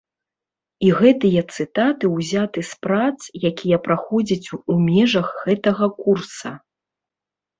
І гэтыя цытаты ўзяты з прац, якія праходзяць у межах гэтага курса.